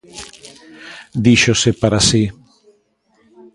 Díxose para si: